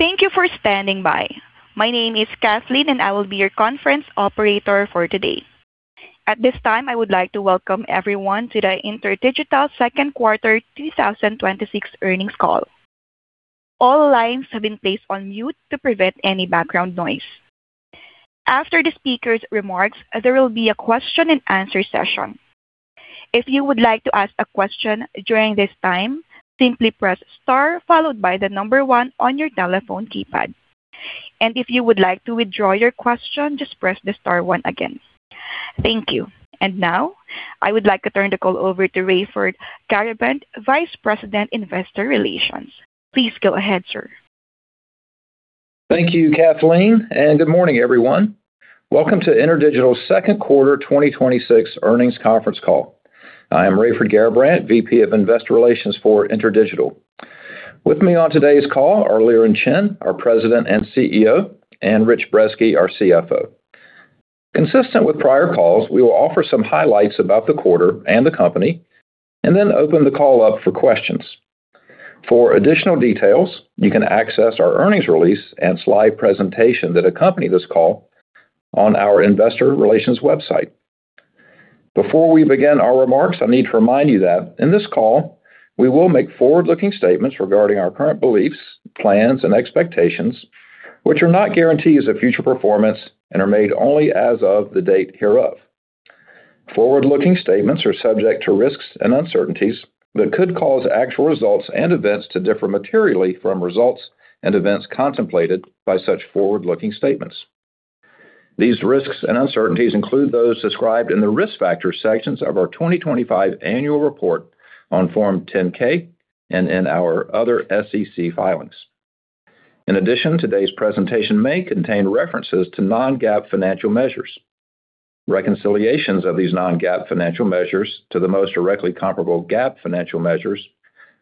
Thank you for standing by. My name is Kathleen, and I will be your conference operator for today. At this time, I would like to welcome everyone to the InterDigital Second Quarter 2026 Earnings Call. All lines have been placed on mute to prevent any background noise. After the speaker's remarks, there will be a question and answer session. If you would like to ask a question during this time, simply press star followed by the number one on your telephone keypad. If you would like to withdraw your question, just press the star one again. Thank you. Now, I would like to turn the call over to Raiford Garrabrant, Vice President, Investor Relations. Please go ahead, sir. Thank you, Kathleen, good morning, everyone. Welcome to InterDigital's Second Quarter 2026 Earnings Conference Call. I am Raiford Garrabrant, VP of Investor Relations for InterDigital. With me on today's call are Liren Chen, our President and CEO, and Rich Brezski, our CFO. Consistent with prior calls, we will offer some highlights about the quarter and the company then open the call up for questions. For additional details, you can access our earnings release and slide presentation that accompany this call on our investor relations website. Before we begin our remarks, I need to remind you that in this call, we will make forward-looking statements regarding our current beliefs, plans, and expectations, which are not guarantees of future performance and are made only as of the date hereof. Forward-looking statements are subject to risks and uncertainties that could cause actual results and events to differ materially from results and events contemplated by such forward-looking statements. These risks and uncertainties include those described in the Risk Factors sections of our 2025 annual report on Form 10-K and in our other SEC filings. In addition, today's presentation may contain references to non-GAAP financial measures. Reconciliations of these non-GAAP financial measures to the most directly comparable GAAP financial measures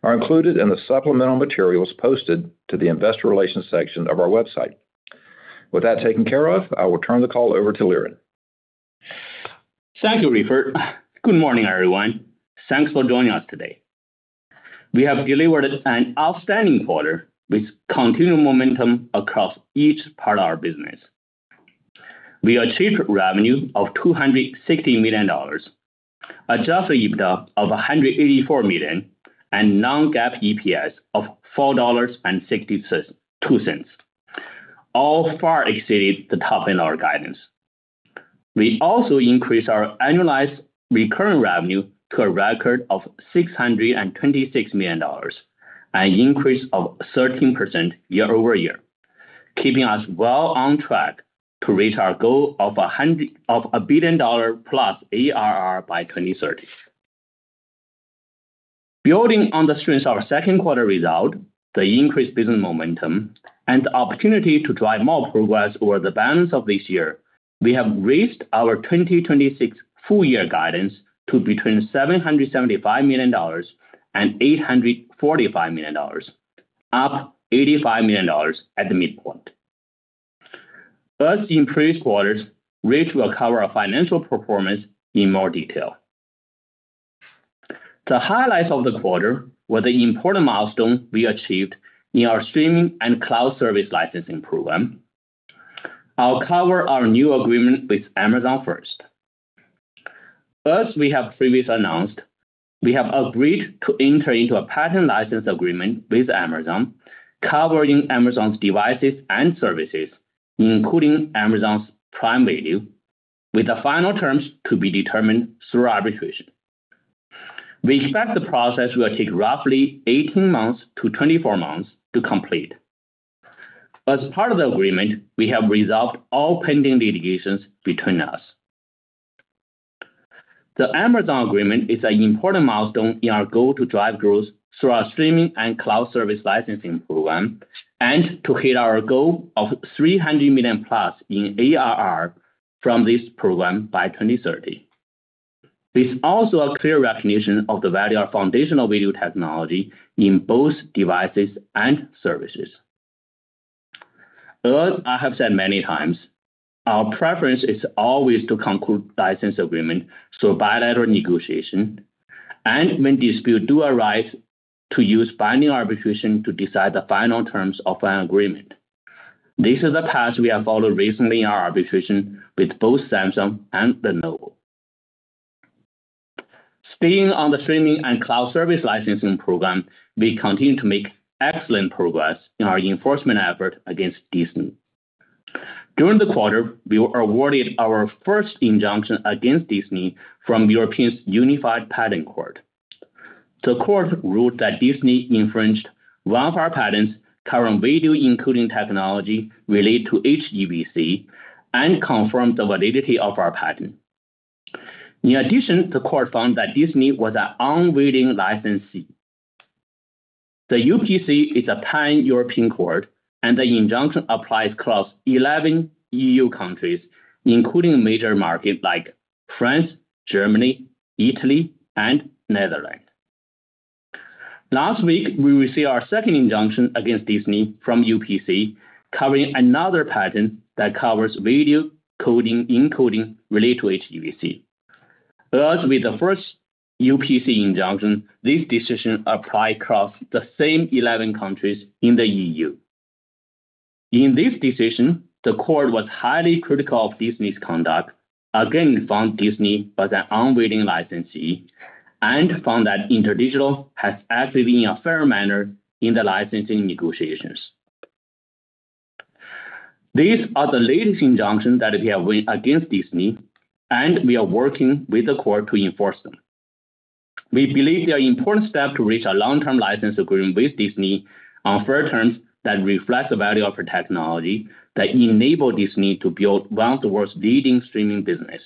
are included in the supplemental materials posted to the investor relations section of our website. With that taken care of, I will turn the call over to Liren. Thank you, Raiford. Good morning, everyone. Thanks for joining us today. We have delivered an outstanding quarter with continued momentum across each part of our business. We achieved revenue of $260 million, Adjusted EBITDA of $184 million, and non-GAAP EPS of $4.62, all far exceeded the top end of our guidance. We also increased our annualized recurring revenue to a record of $626 million, an increase of 13% year-over-year, keeping us well on track to reach our goal of $1 billion plus ARR by 2030. Building on the strength of our second quarter result, the increased business momentum, and the opportunity to drive more progress over the balance of this year, we have raised our 2026 full year guidance to between $775 million-$845 million, up $85 million at the midpoint. As in previous quarters, Rich will cover our financial performance in more detail. The highlights of the quarter were the important milestones we achieved in our streaming and cloud service licensing program. I'll cover our new agreement with Amazon first. We have previously announced we have agreed to enter into a patent license agreement with Amazon, covering Amazon's devices and services, including Amazon's Prime Video, with the final terms to be determined through arbitration. We expect the process will take roughly 18-24 months to complete. As part of the agreement, we have resolved all pending litigations between us. The Amazon agreement is an important milestone in our goal to drive growth through our streaming and cloud service licensing program and to hit our goal of $300 million-plus in ARR from this program by 2030. It's also a clear recognition of the value of foundational video technology in both devices and services. As I have said many times, our preference is always to conclude license agreement through bilateral negotiation and when disputes do arise, to use binding arbitration to decide the final terms of an agreement. This is the path we have followed recently in our arbitration with both Samsung and Lenovo. Staying on the streaming and cloud service licensing program, we continue to make excellent progress in our enforcement effort against Disney. During the quarter, we were awarded our first injunction against Disney from Europe's Unified Patent Court. The court ruled that Disney infringed one of our patents covering video encoding technology related to HEVC and confirmed the validity of our patent. In addition, the court found that Disney was an unwilling licensee. The UPC is a pan-European court, and the injunction applies across 11 EU countries, including major markets like France, Germany, Italy, and Netherlands. Last week, we received our second injunction against Disney from UPC covering another patent that covers video coding encoding related to HEVC. With the first UPC injunction, this decision apply across the same 11 countries in the EU. In this decision, the court was highly critical of Disney's conduct, again found Disney was an unwilling licensee, and found that InterDigital has acted in a fair manner in the licensing negotiations. These are the latest injunctions that we have win against Disney, and we are working with the court to enforce them. We believe they are important step to reach a long-term license agreement with Disney on fair terms that reflect the value of our technology that enable Disney to build one of the world's leading streaming business.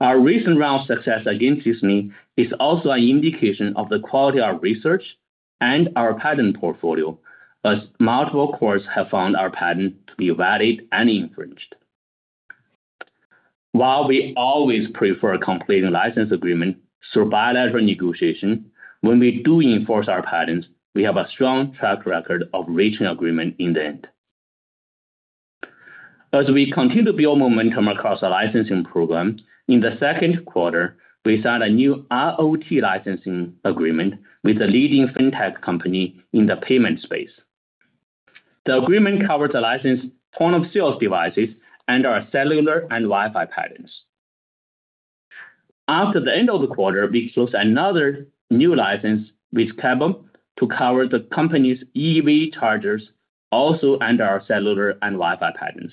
Our recent round of success against Disney is also an indication of the quality of our research and our patent portfolio, as multiple courts have found our patent to be valid and infringed. While we always prefer a completed license agreement through bilateral negotiation, when we do enforce our patents, we have a strong track record of reaching agreement in the end. As we continue to build momentum across our licensing program, in the second quarter, we signed a new IoT licensing agreement with a leading fintech company in the payment space. The agreement covers a licensed point-of-sale devices and our cellular and Wi-Fi patents. After the end of the quarter, we closed another new license with KEBA to cover the company's EV chargers also under our cellular and Wi-Fi patents.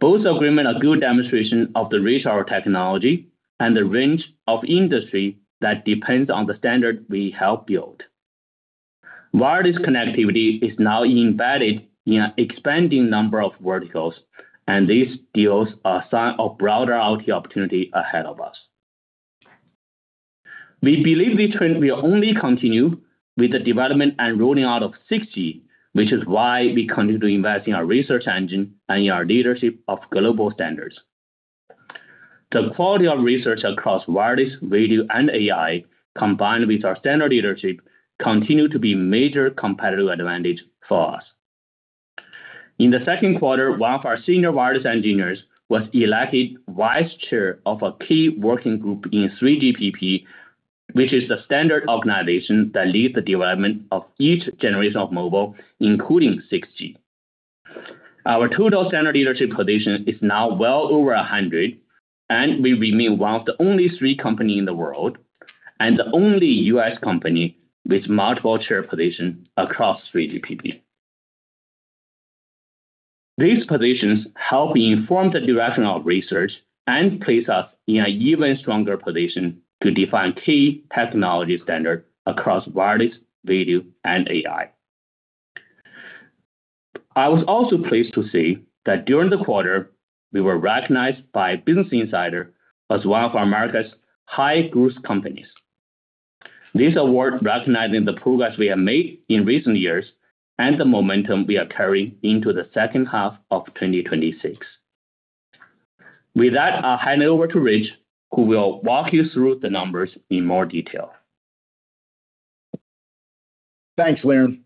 Both agreements are good demonstrations of the reach of our technology and the range of industries that depends on the standard we help build. Wireless connectivity is now embedded in an expanding number of verticals, and these deals are a sign of broader IoT opportunity ahead of us. We believe this trend will only continue with the development and rolling out of 6G, which is why we continue to invest in our research engine and in our leadership of global standards. The quality of research across wireless, radio, and AI, combined with our standard leadership, continues to be major competitive advantage for us. In the second quarter, one of our senior wireless engineers was elected vice chair of a key working group in 3GPP, which is the standard organization that leads the development of each generation of mobile, including 6G. Our total standard leadership position is now well over 100. We remain one of the only three companies in the world, and the only U.S. company with multiple chair positions across 3GPP. These positions help inform the direction of research and place us in an even stronger position to define key technology standard across wireless, radio, and AI. I was also pleased to see that during the quarter, we were recognized by Business Insider as one of America's high growth companies. This award recognized the progress we have made in recent years and the momentum we are carrying into the second half of 2026. With that, I'll hand it over to Rich, who will walk you through the numbers in more detail. Thanks, Liren.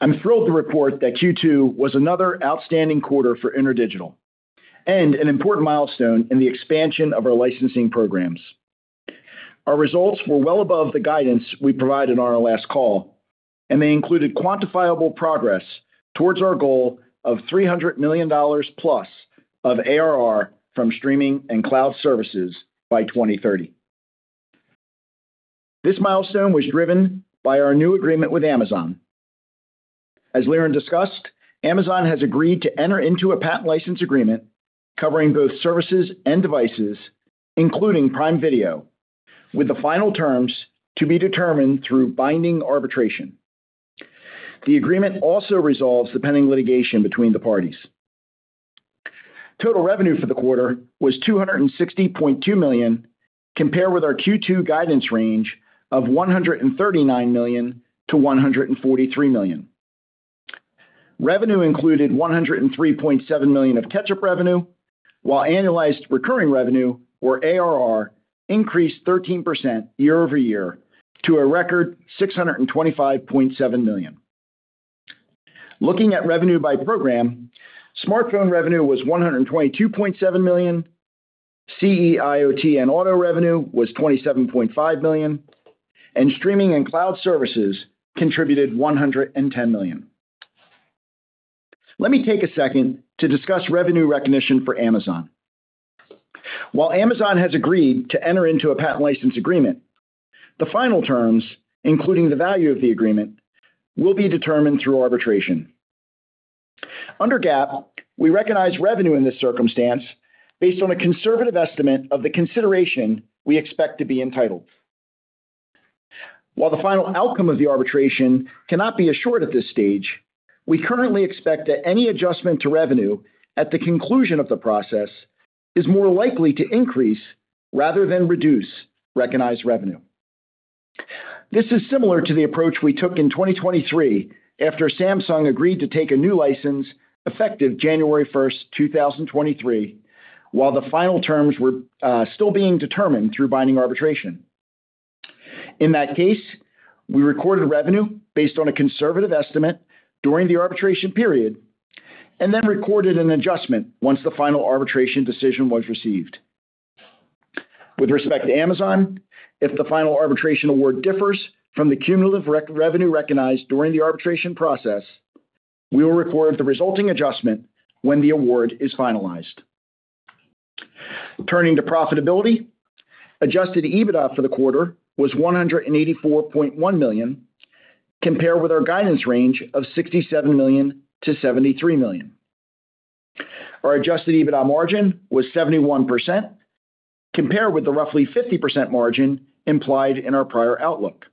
I'm thrilled to report that Q2 was another outstanding quarter for InterDigital and an important milestone in the expansion of our licensing programs. Our results were well above the guidance we provided on our last call. They included quantifiable progress towards our goal of $300 million+ of ARR from streaming and cloud services by 2030. This milestone was driven by our new agreement with Amazon. As Liren discussed, Amazon has agreed to enter into a patent license agreement covering both services and devices, including Prime Video, with the final terms to be determined through binding arbitration. The agreement also resolves the pending litigation between the parties. Total revenue for the quarter was $260.2 million, compared with our Q2 guidance range of $139 million-$143 million. Revenue included $103.7 million of catch-up revenue, while annualized recurring revenue, or ARR, increased 13% year-over-year to a record $625.7 million. Looking at revenue by program, smartphone revenue was $122.7 million, CE, IoT, and auto revenue was $27.5 million. Streaming and cloud services contributed $110 million. Let me take a second to discuss revenue recognition for Amazon. While Amazon has agreed to enter into a patent license agreement, the final terms, including the value of the agreement, will be determined through arbitration. Under GAAP, we recognize revenue in this circumstance based on a conservative estimate of the consideration we expect to be entitled. While the final outcome of the arbitration cannot be assured at this stage, we currently expect that any adjustment to revenue at the conclusion of the process is more likely to increase rather than reduce recognized revenue. This is similar to the approach we took in 2023 after Samsung agreed to take a new license effective January 1st, 2023, while the final terms were still being determined through binding arbitration. In that case, we recorded revenue based on a conservative estimate during the arbitration period, and then recorded an adjustment once the final arbitration decision was received. With respect to Amazon, if the final arbitration award differs from the cumulative revenue recognized during the arbitration process, we will record the resulting adjustment when the award is finalized. Turning to profitability, Adjusted EBITDA for the quarter was $184.1 million, compared with our guidance range of $67 million-$73 million. Our Adjusted EBITDA margin was 71%, compared with the roughly 50% margin implied in our prior outlook.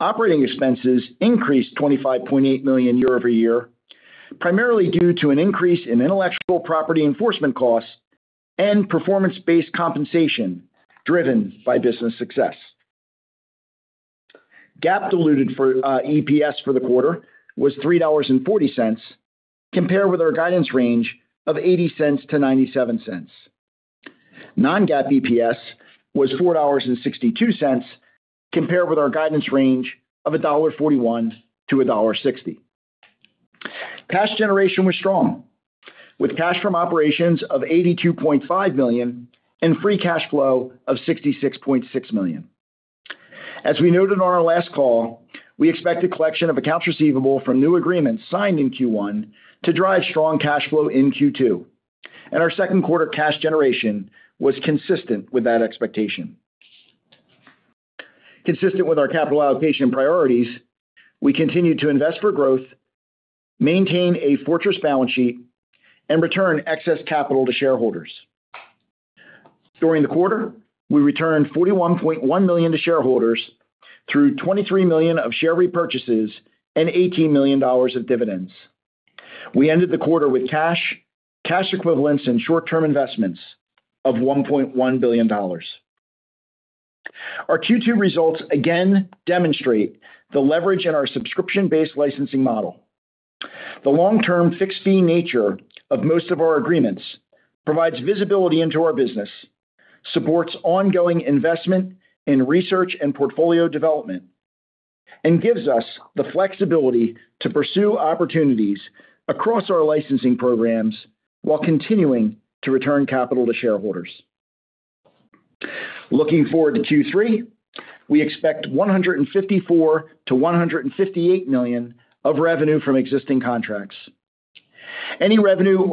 Operating expenses increased $25.8 million year-over-year, primarily due to an increase in intellectual property enforcement costs and performance-based compensation driven by business success. GAAP diluted EPS for the quarter was $3.40, compared with our guidance range of $0.80-$0.97. Non-GAAP EPS was $4.62, compared with our guidance range of $1.41-$1.60. Cash generation was strong, with cash from operations of $82.5 million and free cash flow of $66.6 million. As we noted on our last call, we expect a collection of accounts receivable from new agreements signed in Q1 to drive strong cash flow in Q2, and our second quarter cash generation was consistent with that expectation. Consistent with our capital allocation priorities, we continue to invest for growth, maintain a fortress balance sheet, and return excess capital to shareholders. During the quarter, we returned $41.1 million to shareholders through $23 million of share repurchases and $18 million of dividends. We ended the quarter with cash equivalents and short-term investments of $1.1 billion. Our Q2 results again demonstrate the leverage in our subscription-based licensing model. The long-term fixed-fee nature of most of our agreements provides visibility into our business, supports ongoing investment in research and portfolio development, and gives us the flexibility to pursue opportunities across our licensing programs while continuing to return capital to shareholders. Looking forward to Q3, we expect $154 million-$158 million of revenue from existing contracts. Any revenue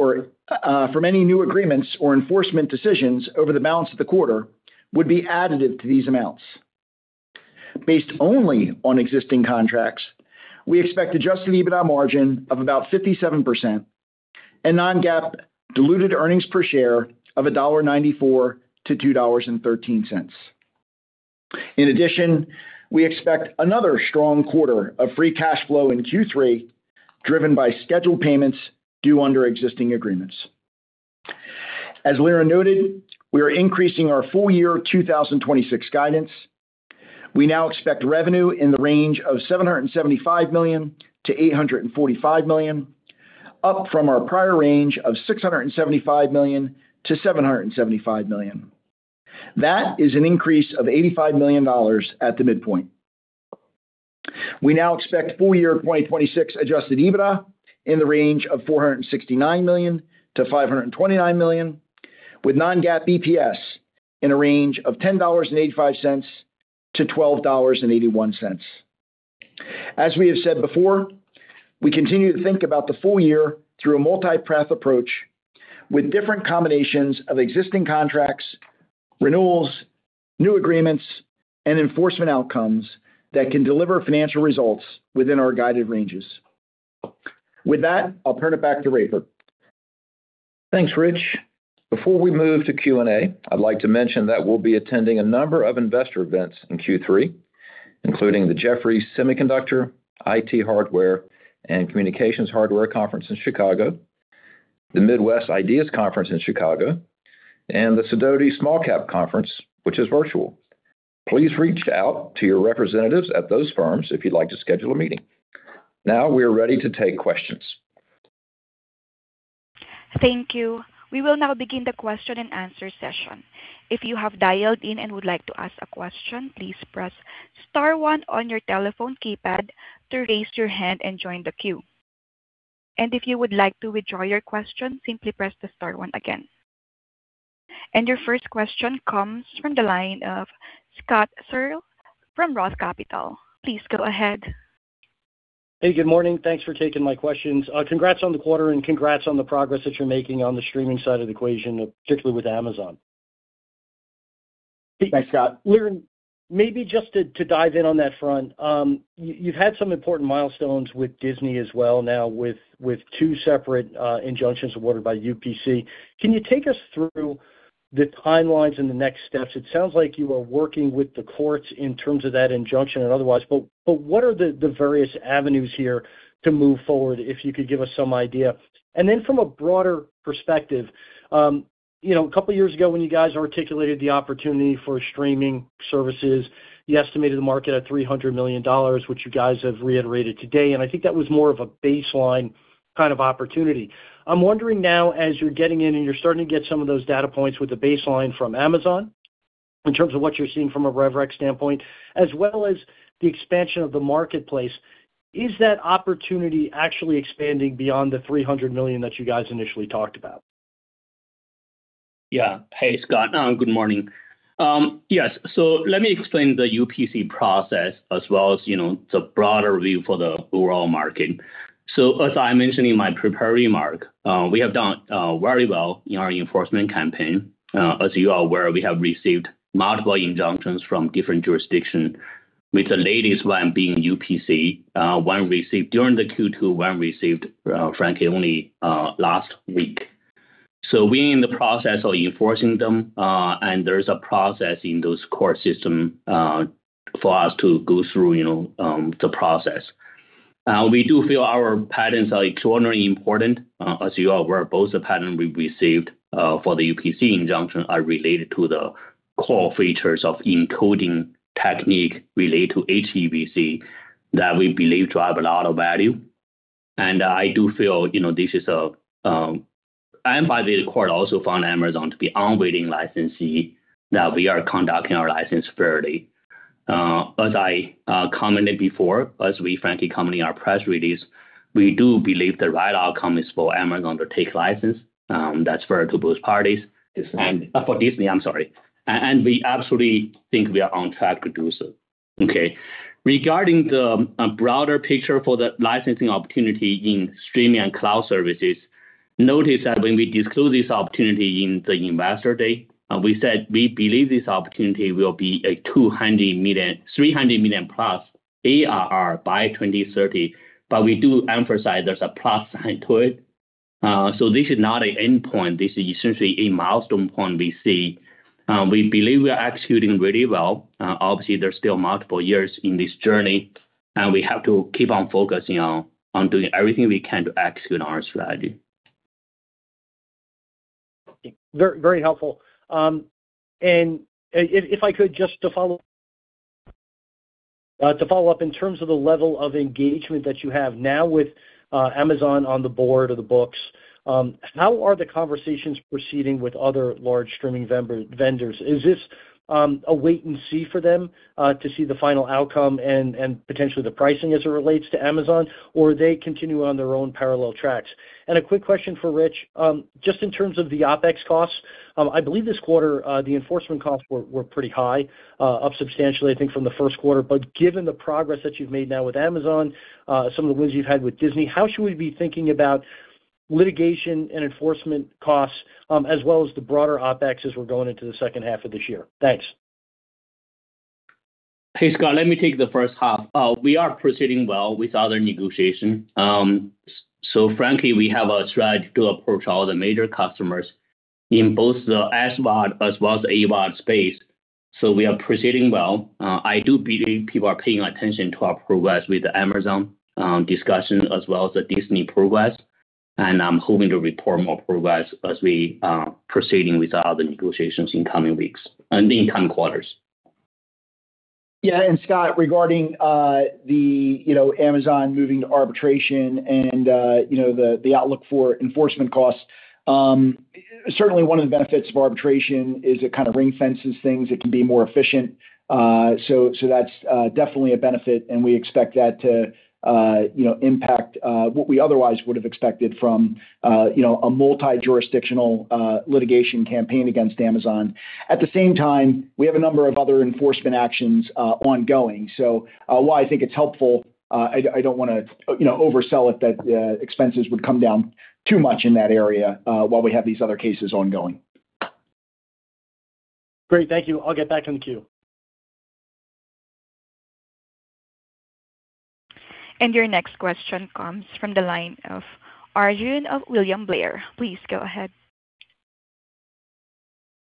from any new agreements or enforcement decisions over the balance of the quarter would be additive to these amounts. Based only on existing contracts, we expect Adjusted EBITDA margin of about 57% and non-GAAP diluted earnings per share of $1.94-$2.13. In addition, we expect another strong quarter of free cash flow in Q3, driven by scheduled payments due under existing agreements. As Liren noted, we are increasing our full-year 2026 guidance. We now expect revenue in the range of $775 million-$845 million, up from our prior range of $675 million-$775 million. That is an increase of $85 million at the midpoint. We now expect full-year 2026 Adjusted EBITDA in the range of $469 million-$529 million, with non-GAAP EPS in a range of $10.85-$12.81. As we have said before, we continue to think about the full year through a multipath approach with different combinations of existing contracts, renewals, new agreements, and enforcement outcomes that can deliver financial results within our guided ranges. With that, I'll turn it back to Raiford. Thanks, Rich. Before we move to Q&A, I'd like to mention that we'll be attending a number of investor events in Q3, including the Jefferies Semiconductor, IT Hardware, and Communications Hardware Conference in Chicago, the Midwest IDEAS Conference in Chicago, and the Sidoti Small Cap Conference, which is virtual. Please reach out to your representatives at those firms if you'd like to schedule a meeting. We are ready to take questions. Thank you. We will now begin the question and answer session. If you have dialed in and would like to ask a question, please press star one on your telephone keypad to raise your hand and join the queue. If you would like to withdraw your question, simply press the star one again. Your first question comes from the line of Scott Searle from Roth Capital. Please go ahead. Hey, good morning. Thanks for taking my questions. Congrats on the quarter and congrats on the progress that you're making on the streaming side of the equation, particularly with Amazon. Thanks, Scott. Liren, maybe just to dive in on that front. You've had some important milestones with Disney as well now with two separate injunctions awarded by UPC. Can you take us through the timelines and the next steps? It sounds like you are working with the courts in terms of that injunction and otherwise, but what are the various avenues here to move forward, if you could give us some idea? From a broader perspective, a couple years ago when you guys articulated the opportunity for streaming services, you estimated the market at $300 million, which you guys have reiterated today, and I think that was more of a baseline kind of opportunity. I'm wondering now as you're getting in and you're starting to get some of those data points with the baseline from Amazon in terms of what you're seeing from a rev rec standpoint, as well as the expansion of the marketplace, is that opportunity actually expanding beyond the $300 million that you guys initially talked about? Yeah. Hey, Scott. Good morning. Yes. Let me explain the UPC process as well as the broader view for the overall market. As I mentioned in my prepared remark, we have done very well in our enforcement campaign. As you are aware, we have received multiple injunctions from different jurisdictions, with the latest one being UPC, one received during the Q2, one received, frankly, only last week. We, in the process, are enforcing them, and there is a process in those court system for us to go through the process. We do feel our patents are extraordinarily important. As you are aware, both the patents we received for the UPC injunction are related to the core features of encoding technique related to HEVC that we believe to have a lot of value. I do feel, and by the court also found Amazon to be unwilling licensee that we are conducting our license fairly. As I commented before, as we frankly commented in our press release, we do believe the right outcome is for Amazon to take a license. That's fair to both parties. Disney. For Disney, I'm sorry. We absolutely think we are on track to do so. Okay. Regarding the broader picture for the licensing opportunity in streaming and cloud services, notice that when we disclose this opportunity in the Investor Day, we said we believe this opportunity will be a $300 million-plus ARR by 2030. We do emphasize there's a plus sign to it. This is not an endpoint. This is essentially a milestone point we see. We believe we are executing really well. Obviously, there's still multiple years in this journey, and we have to keep on focusing on doing everything we can to execute on our strategy. Very helpful. If I could, just to follow up in terms of the level of engagement that you have now with Amazon on the books, how are the conversations proceeding with other large streaming vendors? Is this a wait-and-see for them to see the final outcome and potentially the pricing as it relates to Amazon, or they continue on their own parallel tracks? A quick question for Rich. Just in terms of the OpEx costs, I believe this quarter, the enforcement costs were pretty high, up substantially, I think, from the first quarter. Given the progress that you've made now with Amazon, some of the wins you've had with Disney, how should we be thinking about litigation and enforcement costs as well as the broader OpEx as we're going into the second half of this year? Thanks. Hey, Scott, let me take the first half. We are proceeding well with other negotiation. Frankly, we have a strategy to approach all the major customers in both the SVOD as well as the AVOD space. We are proceeding well. I do believe people are paying attention to our progress with the Amazon discussion as well as the Disney progress. I'm hoping to report more progress as we are proceeding with the other negotiations in coming weeks and in coming quarters. Yeah. Scott, regarding the Amazon moving to arbitration and the outlook for enforcement costs, certainly one of the benefits of arbitration is it kind of ring-fences things. It can be more efficient. That's definitely a benefit, and we expect that to impact what we otherwise would have expected from a multi-jurisdictional litigation campaign against Amazon. At the same time, we have a number of other enforcement actions ongoing. While I think it's helpful, I don't want to oversell it that expenses would come down too much in that area while we have these other cases ongoing. Great. Thank you. I'll get back in the queue. Your next question comes from the line of Arjun of William Blair. Please go ahead.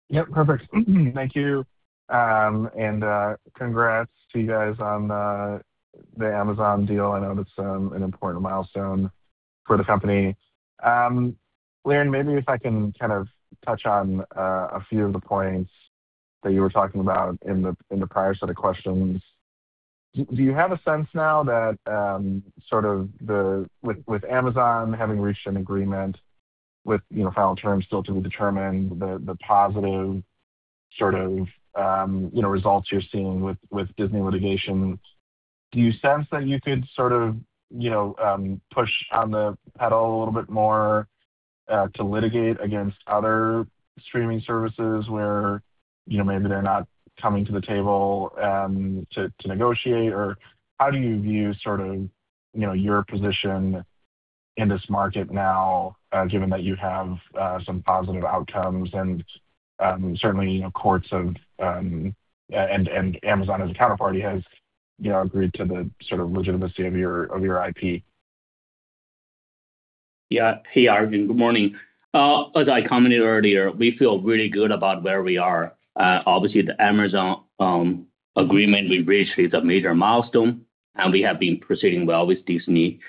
Yep, perfect. Thank you. Congrats to you guys on the Amazon deal. I know that's an important milestone for the company. Liren, maybe if I can kind of touch on a few of the points that you were talking about in the prior set of questions. Do you have a sense now that, with Amazon having reached an agreement with final terms still to be determined, the positive sort of results you're seeing with Disney litigation, do you sense that you could sort of push on the pedal a little bit more to litigate against other streaming services where maybe they're not coming to the table to negotiate? Or how do you view sort of your position in this market now, given that you have some positive outcomes and certainly courts and Amazon as a counterparty has agreed to the sort of legitimacy of your IP? Yeah. Hey, Arjun, good morning. As I commented earlier, we feel really good about where we are. Obviously, the Amazon agreement we reached is a major milestone, and we have been proceeding well with Disney.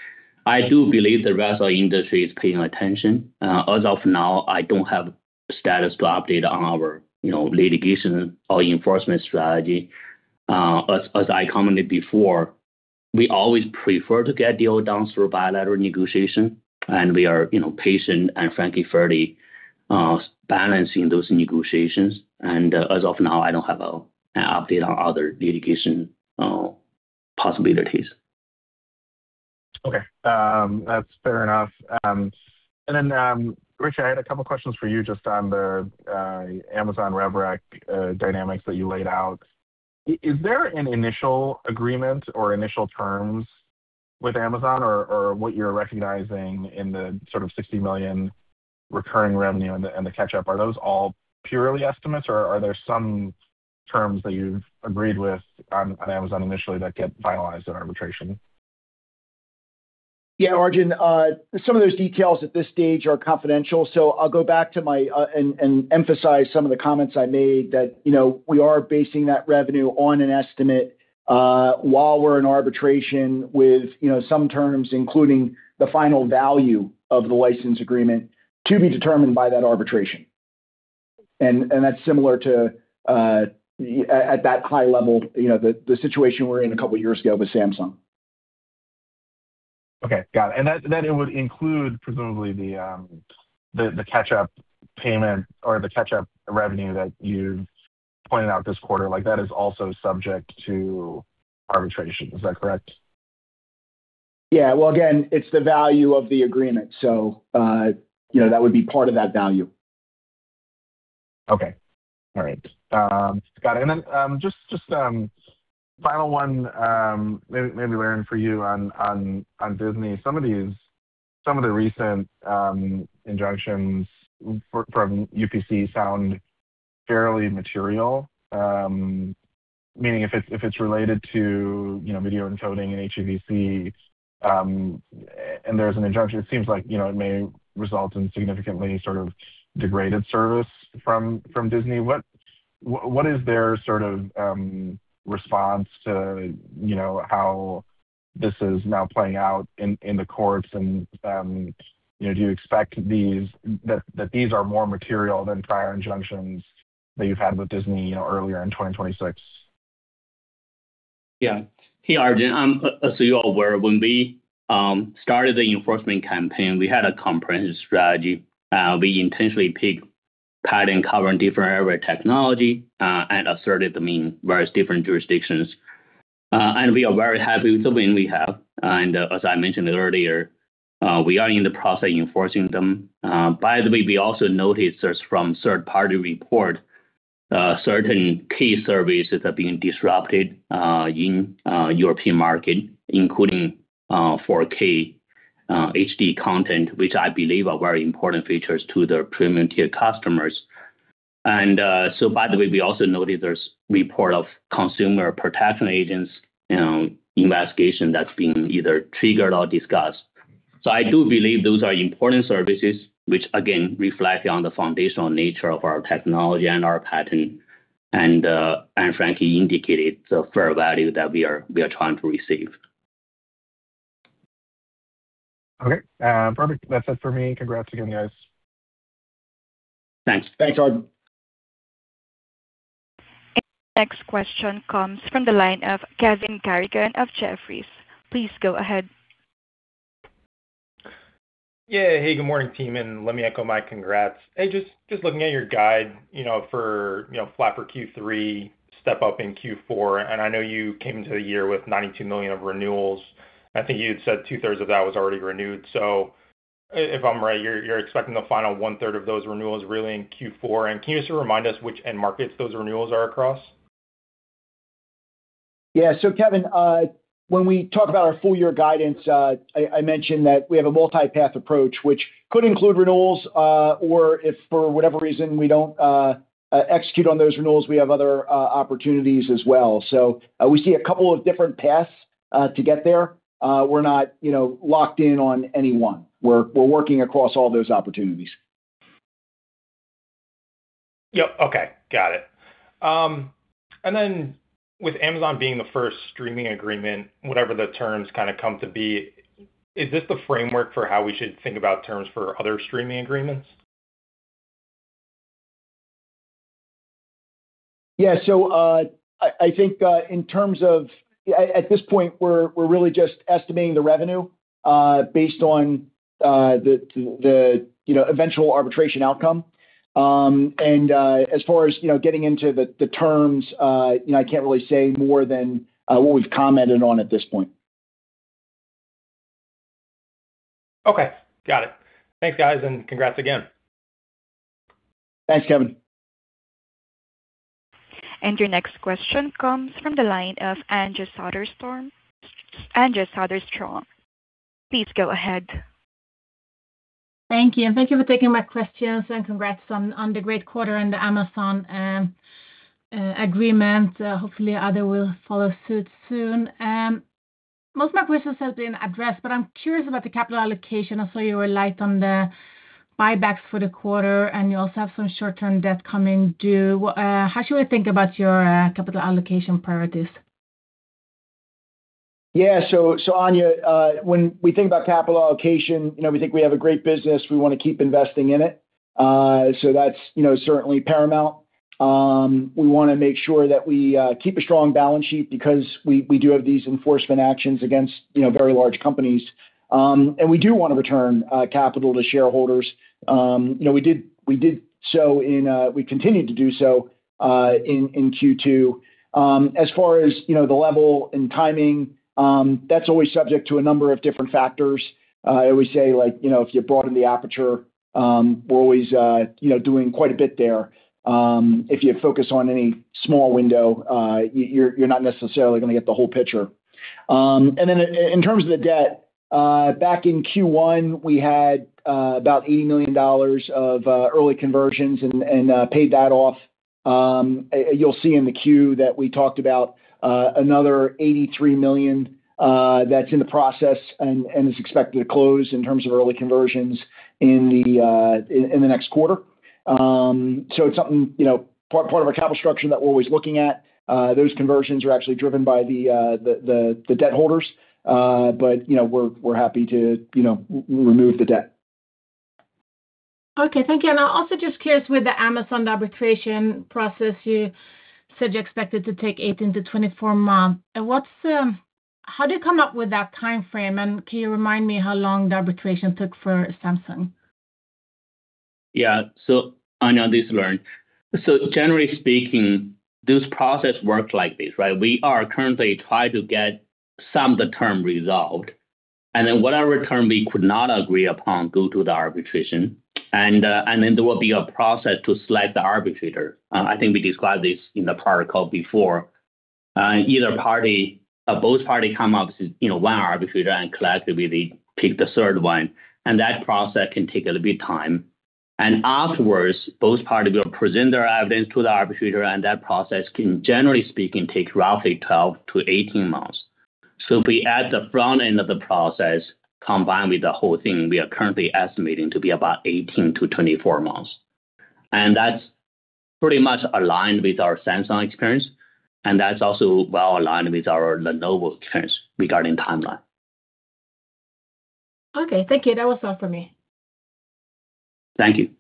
I do believe the rest of the industry is paying attention. As of now, I don't have status to update on our litigation or enforcement strategy. As I commented before, we always prefer to get deal done through bilateral negotiation, and we are patient and frankly, fairly balancing those negotiations. As of now, I don't have an update on other litigation possibilities. Okay. That's fair enough. Rich, I had a couple questions for you just on the Amazon rev rec dynamics that you laid out. Is there an initial agreement or initial terms with Amazon or what you're recognizing in the sort of $60 million recurring revenue and the catch up? Are those all purely estimates, or are there some terms that you've agreed with on Amazon initially that get finalized in arbitration? Yeah, Arjun, some of those details at this stage are confidential. I'll go back and emphasize some of the comments I made that we are basing that revenue on an estimate, while we're in arbitration with some terms, including the final value of the license agreement to be determined by that arbitration. That's similar to, at that high level, the situation we were in a couple of years ago with Samsung. Okay. Got it. It would include presumably the catch up payment or the catch up revenue that you pointed out this quarter. Like that is also subject to arbitration, is that correct? Yeah. Well, again, it's the value of the agreement, that would be part of that value. Okay. All right. Got it. Then, just final one, maybe Liren for you on Disney. Some of the recent injunctions from UPC sound fairly material. Meaning if it's related to video encoding and HEVC, and there's an injunction, it seems like it may result in significantly sort of degraded service from Disney. What is their response to how this is now playing out in the courts and do you expect that these are more material than prior injunctions that you've had with Disney earlier in 2026? Yeah. Hey, Arjun. You are aware, when we started the enforcement campaign, we had a comprehensive strategy. We intentionally picked patent cover in different area technology, and asserted them in various different jurisdictions. We are very happy with the win we have. As I mentioned earlier, we are in the process of enforcing them. By the way, we also noticed there's from third-party report, certain key services are being disrupted, in European market, including 4K HD content, which I believe are very important features to their premium tier customers. By the way, we also noticed there's report of consumer protection agents investigation that's being either triggered or discussed. I do believe those are important services, which again, reflect on the foundational nature of our technology and our patent and, frankly, indicated the fair value that we are trying to receive. Okay. Perfect. That's it for me. Congrats again, guys. Thanks. Thanks, Arjun. Your next question comes from the line of Kevin Garrigan of Jefferies. Please go ahead. Yeah. Hey, good morning, team, and let me echo my congrats. Hey, just looking at your guide for flat Q3, step up in Q4, and I know you came into the year with $92 million of renewals. I think you had said two-thirds of that was already renewed. So if I'm right, you're expecting the final one-third of those renewals really in Q4. Can you just remind us which end markets those renewals are across? Yeah. Kevin, when we talk about our full year guidance, I mentioned that we have a multi-path approach, which could include renewals, or if for whatever reason we don't execute on those renewals, we have other opportunities as well. We see a couple of different paths to get there. We're not locked in on any one. We're working across all those opportunities. Yep. Okay. Got it. Then with Amazon being the first streaming agreement, whatever the terms come to be, is this the framework for how we should think about terms for other streaming agreements? I think at this point, we're really just estimating the revenue, based on the eventual arbitration outcome. As far as getting into the terms, I can't really say more than what we've commented on at this point. Okay. Got it. Thanks, guys, and congrats again. Thanks, Kevin. Your next question comes from the line of Anja Soderstrom. Anja Soderstrom, please go ahead. Thank you. Thank you for taking my questions and congrats on the great quarter and the Amazon agreement. Hopefully others will follow suit soon. Most of my questions have been addressed. I'm curious about the capital allocation. I saw you were light on the buybacks for the quarter. You also have some short-term debt coming due. How should we think about your capital allocation priorities? Yeah. Anja, when we think about capital allocation, we think we have a great business. We want to keep investing in it. That's certainly paramount. We want to make sure that we keep a strong balance sheet because we do have these enforcement actions against very large companies. We do want to return capital to shareholders. We continued to do so in Q2. As far as the level and timing, that's always subject to a number of different factors. I always say, if you broaden the aperture, we're always doing quite a bit there. If you focus on any small window, you're not necessarily going to get the whole picture. Then in terms of the debt, back in Q1, we had about $80 million of early conversions and paid that off. You'll see in the queue that we talked about another $83 million that's in the process and is expected to close in terms of early conversions in the next quarter. It's something, part of our capital structure that we're always looking at. Those conversions are actually driven by the debt holders. We're happy to remove the debt. Okay. Thank you. I'm also just curious with the Amazon arbitration process, you said you expect it to take 18 months-24 months. How do you come up with that timeframe? Can you remind me how long the arbitration took for Samsung? Yeah. Anja, this is Liren. Generally speaking, this process works like this, right? We are trying to get [inaudible] result, and whatever term we could not agree upon go to the arbitration. There will be a process to select the arbitrator. I think we described this in the prior call before. Both parties come up with one arbitrator, and collectively they pick the third one, and that process can take a little bit of time. Afterwards, both parties will present their evidence to the arbitrator, and that process can, generally speaking, take roughly 12 months-18 months. We add the front end of the process, combined with the whole thing, we are currently estimating to be about 18 months-24 months. That's pretty much aligned with our Samsung experience, and that's also well-aligned with our Lenovo experience regarding timeline. Okay. Thank you. That was all for me. Thank you.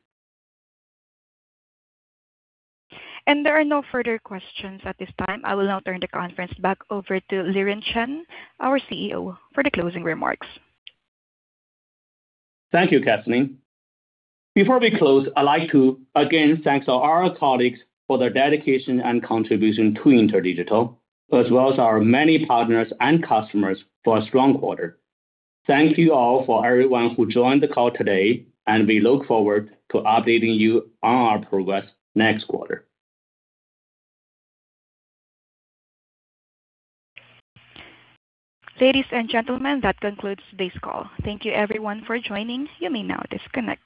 There are no further questions at this time. I will now turn the conference back over to Liren Chen, our CEO, for the closing remarks. Thank you, Kathleen. Before we close, I'd like to again thank all our colleagues for their dedication and contribution to InterDigital, as well as our many partners and customers for a strong quarter. Thank you all for everyone who joined the call today, and we look forward to updating you on our progress next quarter. Ladies and gentlemen, that concludes this call. Thank you everyone for joining. You may now disconnect.